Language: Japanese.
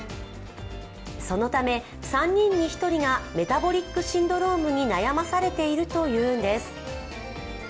そのため３人に１人がメタボリックシンドロームに悩まされているというんです。